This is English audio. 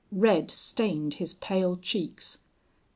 Red stained his pale cheeks.